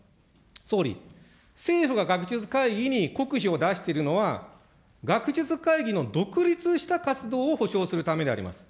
総理、政府が学術会議に国費を出しているのは、学術会議の独立した活動を保証するためであります。